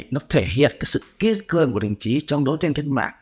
nó thể hiện sự kỹ cường của đồng chí trong đấu tranh cách mạng